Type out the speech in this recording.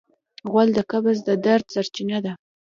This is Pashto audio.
غول د قبض د درد سرچینه ده.